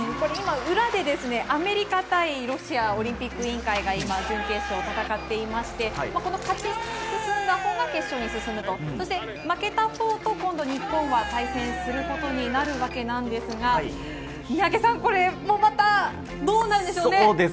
裏でアメリカ対ロシアオリンピック委員会が準決勝を戦っていまして、勝ち進んだほうが決勝に進む、負けたほうと今度、日本は対戦することになるわけなんですが、三宅さん、これどうなるんでしょうね。